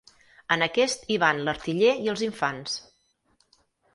En aquest hi van l'artiller i els infants.